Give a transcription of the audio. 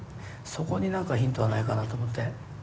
そこに何かヒントはないかなと思って。